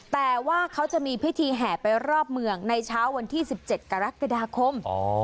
แต่ว่าเขาจะมีพิธีแห่ไปรอบเมืองในเช้าวันที่๑๗กรกฎาคม